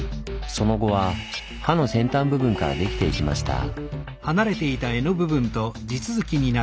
その後は刃の先端部分から出来ていきました。